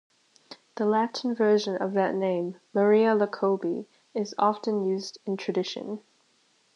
The Latin version of that name, "Maria Iacobi", is often used in tradition.